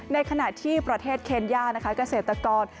ในขณะที่ประเทศเคนย่านะคะเกษตรกร